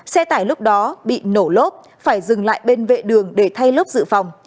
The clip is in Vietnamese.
xe tải lúc đó bị nổ lốp phải dừng lại bên vệ đường để thay lốp dự phòng